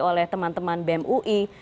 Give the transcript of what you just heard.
oleh teman teman bem ui